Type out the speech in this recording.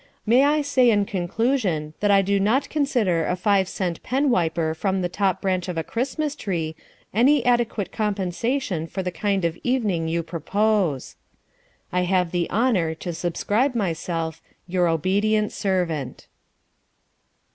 May I say in conclusion that I do not consider a five cent pen wiper from the top branch of a Xmas tree any adequate compensation for the kind of evening you propose. I have the honour To subscribe myself, Your obedient servant.